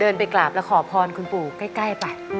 ไปกราบแล้วขอพรคุณปู่ใกล้ไป